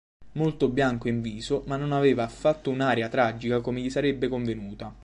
Molto bianco in viso, ma non aveva affatto un'aria tragica come gli sarebbe convenuta.